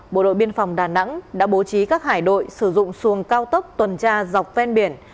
bộ đội biên phòng đà nẵng đã bố trí các hải đội sử dụng xuồng cao tốc tuần tra dọc ven biển